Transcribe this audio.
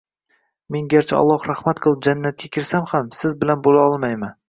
Men garchi Alloh rahmat qilib jannatga kirsam ham siz bilan bo‘la olmayman